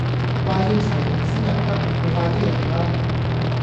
話要齊人先入得，你快 D 來啦